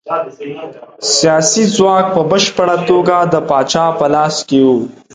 سیاسي ځواک په بشپړه توګه د پاچا په لاس کې و.